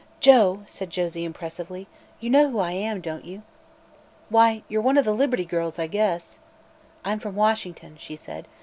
"Joe," said Josie impressively, "you know who I am, don't you?" "Why, you're one of the Liberty Girls, I guess." "I'm from Washington," she said.